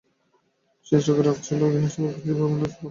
সেই চোখে রাগ ছিল, ঘৃণা ছিল, কিঞ্চিৎ অভিমানও ছিল।